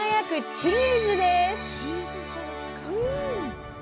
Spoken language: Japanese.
チーズソースか。